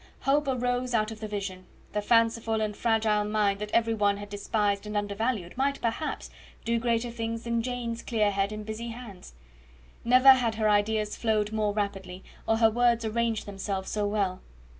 Hope arose out of the vision; the fanciful and fragile mind that every one had despised and undervalued might, perhaps, do greater things than Jane's clear head and busy hands. Never had her ideas flowed more rapidly, or her words arranged themselves so well.